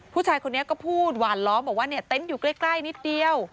ผู้ชายคนนี้ก็พูดหวานล้อมบอกว่าเนี่ยเต็นต์อยู่ใกล้นิดเดียว